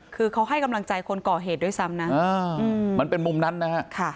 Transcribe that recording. คือเขาให้กำลังใจคนก่อเหตุด้วยซ้ำนะมันเป็นมุมนั้นนะฮะ